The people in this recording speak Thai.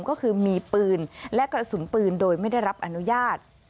ก็คือมีปืนและกระสุนปืนโดยไม่ได้รับอนุญาต